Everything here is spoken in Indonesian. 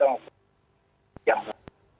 yang berada di sana